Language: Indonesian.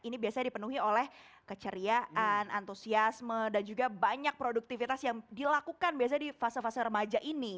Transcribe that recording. karena ini biasanya dipenuhi oleh keceriaan antusiasme dan juga banyak produktivitas yang dilakukan biasanya di fase fase remaja ini